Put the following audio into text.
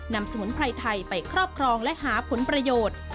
สมุนไพรไทยไปครอบครองและหาผลประโยชน์